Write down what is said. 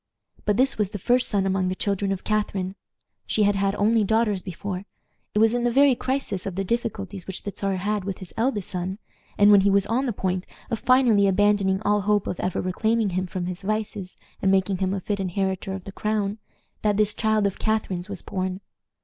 But this was the first son among the children of Catharine. She had had only daughters before. It was in the very crisis of the difficulties which the Czar had with his eldest son, and when he was on the point of finally abandoning all hope of ever reclaiming him from his vices and making him a fit inheritor of the crown, that this child of Catharine's was born.